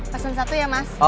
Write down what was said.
pasang satu ya mas